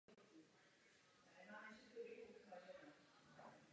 To nejvíce zasáhne korálové útesy a ekosystém Jižního oceánu.